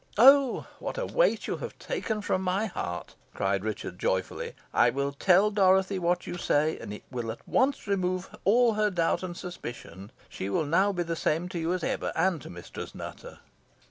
"Oh! what a weight you have taken from my heart," cried Richard, joyfully. "I will tell Dorothy what you say, and it will at once remove all her doubts and suspicions. She will now be the same to you as ever, and to Mistress Nutter."